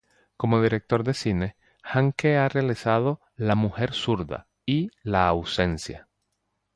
Como director de cine, Handke ha realizado "La mujer zurda" y "La ausencia".